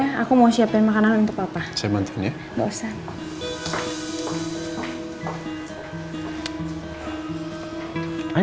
sampai jumpa di video selanjutnya